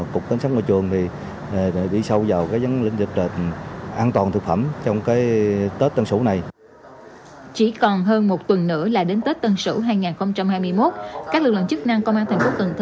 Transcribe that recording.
còn hơn một tuần nữa là đến tết tân sửu hai nghìn hai mươi một các lực lượng chức năng công an tp cn